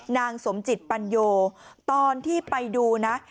นางสมจิตปัญโยตอนที่ไปดูนะ